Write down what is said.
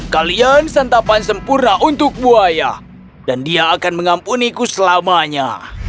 kalian santapan sempurna untuk buaya dan dia akan mengampuniku selamanya